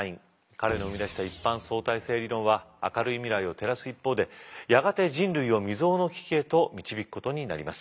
彼の生み出した一般相対性理論は明るい未来を照らす一方でやがて人類を未曽有の危機へと導くことになります。